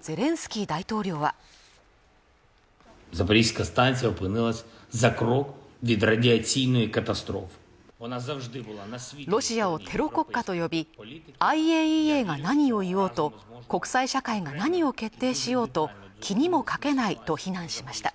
ゼレンスキー大統領はロシアをテロ国家と呼びＩＡＥＡが何を言おうと国際社会は何を決定しようと気にもかけないと非難しました